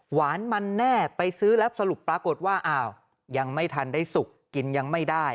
หวานมันแน่ไปซื้อแล้วสรุปปรากฏว่าอ้าวยังไม่ทันได้สุกกินยังไม่ได้